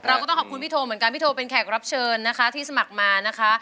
เราก็ต้องขอบคุณพี่โทเหมือนกันพี่โทเป็นแขกรับเชิญนะคะที่สมัครมานะคะ